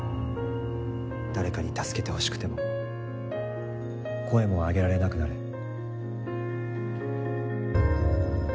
誰かに助けてほしくても声も上げられなくなる。